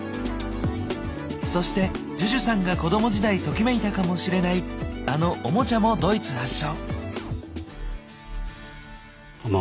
そしてＪＵＪＵさんが子ども時代ときめいたかもしれないあのオモチャもドイツ発祥。